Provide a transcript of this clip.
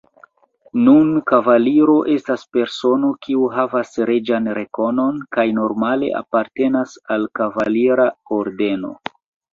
Nun kavaliro estas persono, kiu havas reĝan rekonon kaj normale apartenas al kavalira ordeno.